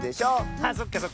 あっそっかそっか。